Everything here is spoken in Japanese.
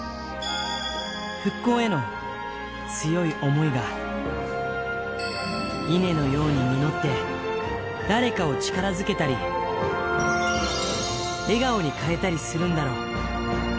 復興への強い想いが稲のように実って、誰かを力づけたり、笑顔に変えたりするんだろう。